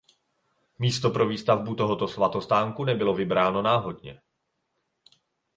Místo pro výstavbu tohoto svatostánku nebylo vybráno náhodně.